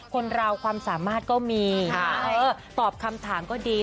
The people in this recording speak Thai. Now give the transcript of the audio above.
คนเราความสามารถก็มีตอบคำถามก็ดี